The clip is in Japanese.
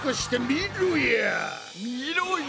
みろや！